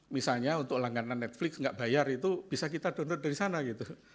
misalnya untuk langganan netflix nggak bayar itu bisa kita download dari sana gitu